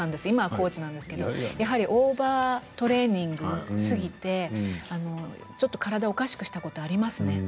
今はコーチなんですけどやはりオーバートレーニングしすぎてちょっと体おかしくしたことありますね。